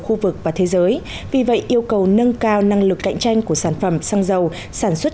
khu vực và thế giới vì vậy yêu cầu nâng cao năng lực cạnh tranh của sản phẩm xăng dầu sản xuất